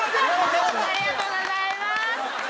ありがとうございます。